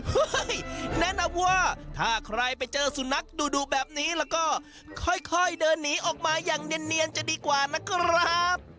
แนะนำว่าถ้าใครไปเจอสุนัขดูแบบนี้แล้วก็ค่อยเดินหนีออกมาอย่างเนียนจะดีกว่านะครับ